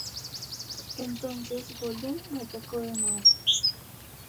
Entonces Gollum lo atacó de nuevo.